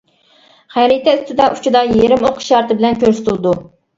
خەرىتە ئۈستىدە ئۇچىدا يېرىم ئوق ئىشارىتى بىلەن كۆرسىتىلىدۇ.